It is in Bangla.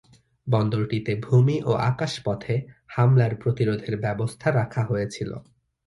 বন্দরটিতে ভুমি ও আকাশপথে হামলার প্রতিরোধের ব্যবস্থা রাখা হয়েছিলো।